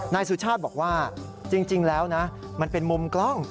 นายสุชาติบอกว่าจริงแล้วนะมันเป็นมุมกล้อง